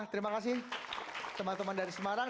terima kasih teman teman dari semarang